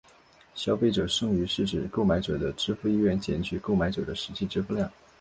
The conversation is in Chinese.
消费者剩余是指购买者的支付意愿减去购买者的实际支付量。